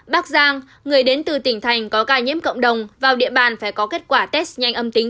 bắc giang người đến từ tỉnh thành có ca nhiễm cộng đồng vào địa bàn phải có kết quả test nhanh âm tính